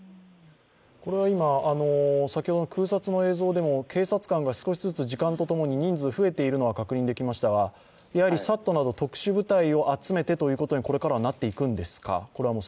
これは先ほどの空撮の映像でも警察官が少しずつ時間とともに人数増えているのは確認できましたがＳＡＴなど特殊部隊を集めてということにこれからはなっていくんですか？